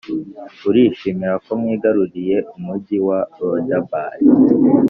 urishimira ko mwigaruriye umugi wa lodebari